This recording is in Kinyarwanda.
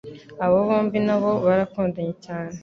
Aba bombi nabo barakundanye cyane